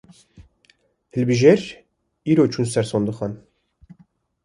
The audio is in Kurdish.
Hilbijêr, îro çûn ser sindoqan